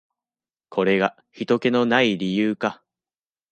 これがひとけの無い理由か。